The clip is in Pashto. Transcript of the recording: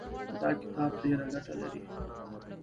دا کتاب ډېره ګټه لري.